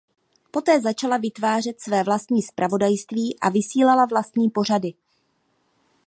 Poté začala vytvářet své vlastní zpravodajství a vysílala vlastní pořady.